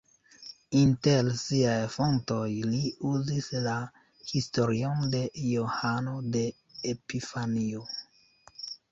Inter siaj fontoj li uzis la historion de Johano de Epifanio.